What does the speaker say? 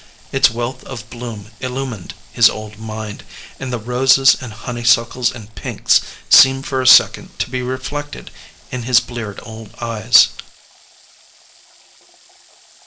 Its wealth of bloom illumined his old mind, and the roses and honeysuckles and pinks seemed for a second to be reflected in his bleared old eyes.